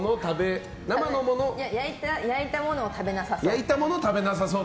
焼いたものを食べなさそう。